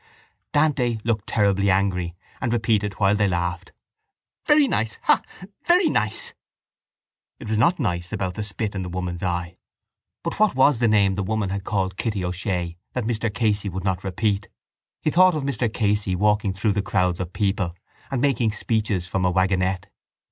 Dante looked terribly angry and repeated while they laughed: —Very nice! Ha! Very nice! It was not nice about the spit in the woman's eye. But what was the name the woman had called Kitty O'Shea that Mr Casey would not repeat? He thought of Mr Casey walking through the crowds of people and making speeches from a wagonette.